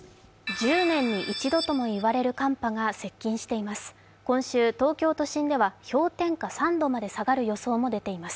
１０年に一度ともいわれる寒波が、接近しています。